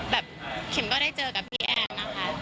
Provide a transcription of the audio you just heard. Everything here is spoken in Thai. แบบเข็มก็ได้เจอกับพี่แอนนะคะ